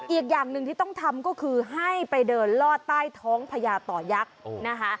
อีกอย่างหนึ่งที่ต้องทำก็คือให้ไปเดินลอดใต้ท้องพญาต่อยักษ์นะคะ